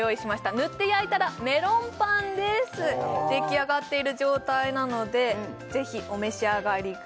ぬって焼いたらメロンパンです出来上がっている状態なのでぜひお召し上がりください